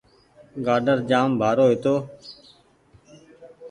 گآڊر جآم بآرو هيتو